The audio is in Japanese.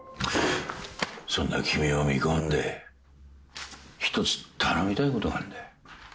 そんな君を見込んで一つ頼みたいことがあるんだよ